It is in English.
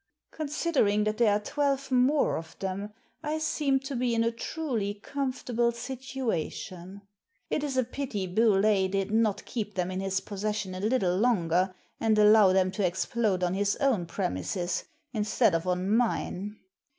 Considering that there are twelve more of them, I seem to be in a truly comfortable situation. It is a pity Bewlay did not keep them in his possession a little longer, and allow them to explode on his own premises instead of on mine.